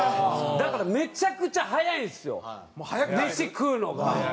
だからめちゃくちゃ早いんですよメシ食うのが。